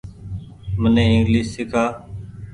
مني انگليش سيڪآ۔